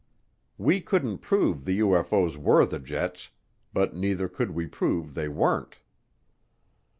We couldn't prove the UFO's were the jets, but neither could we prove they weren't.